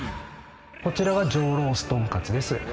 こちらは上ロース豚かつです。